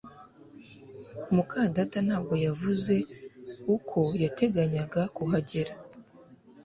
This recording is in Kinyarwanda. muka data ntabwo yavuze uko yateganyaga kuhagera